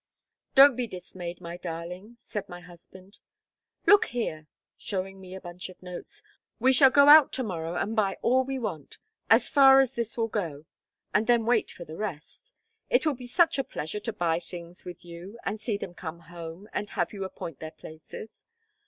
"Don't be dismayed, my darling," said my husband. "Look here," showing me a bunch of notes, "we shall go out to morrow and buy all we want, as far as this will go, and then wait for the rest. It will be such a pleasure to buy the things with you, and see them come home, and have you appoint their places.